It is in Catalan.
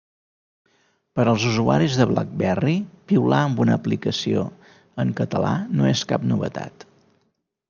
Per als usuaris de BlackBerry, piular amb una aplicació en català no és cap novetat.